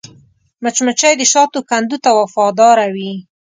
مچمچۍ د شاتو کندو ته وفاداره وي